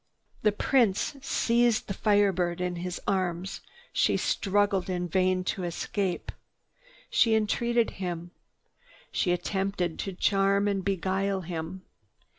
The Prince seized the Fire Bird in his arms. She struggled in vain to escape. She entreated him. She attempted to charm and beguile him.